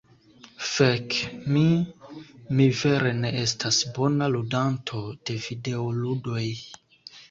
Fek! Mi… Mi vere ne estas bona ludanto de videoludoj.